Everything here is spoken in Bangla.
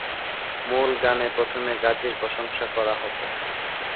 মূল গানে প্রথমে গাজীর প্রশংসা করা হতো।